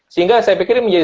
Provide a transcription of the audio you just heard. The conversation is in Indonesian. sehingga saya pikir ini menjadi